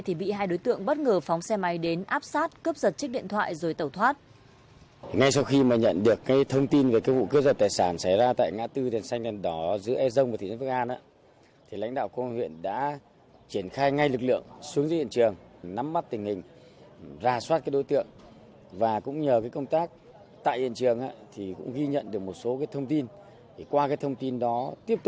thì bị hai đối tượng bất ngờ phóng xe máy đến áp sát cướp giật trích điện thoại rồi tẩu thoát